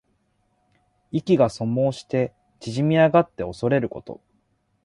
意気が阻喪して縮み上がっておそれること。